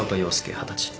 二十歳。